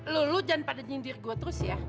lo lo jangan pada nyindir gue terus ya